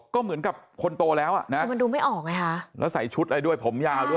ก็เหมือนกับคนโตแล้วมันดูไม่ออกแล้วใส่ชุดอะไรด้วยผมยาว